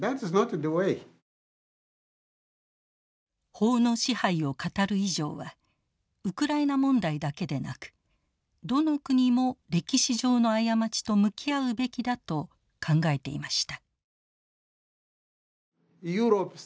法の支配を語る以上はウクライナ問題だけでなくどの国も歴史上の過ちと向き合うべきだと考えていました。